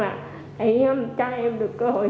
để cho em được cơ hội